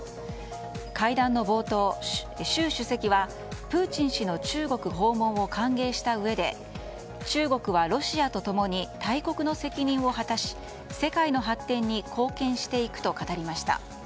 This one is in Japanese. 会談の冒頭習主席はプーチン氏の中国訪問を歓迎したうえで中国はロシアと共に大国の責任を果たし世界の発展に貢献していくと語りました。